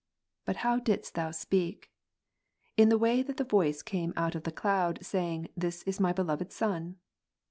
But how didst Thou speak ? In the way that the Mat. 17, voice came out of the cloud, saying. This is My beloved Son